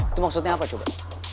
itu maksudnya apa coba